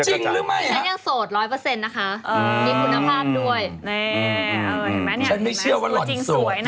เห็นไหมฉันไม่เชื่อว่าหล่อนโสด